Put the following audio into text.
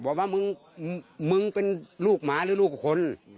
บอกว่ามึงมึงเป็นลูกหมาหรือลูกคน